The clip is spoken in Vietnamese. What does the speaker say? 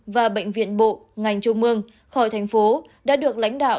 và bệnh viện bộ ngành trung mương khỏi thành phố đã được lãnh đạo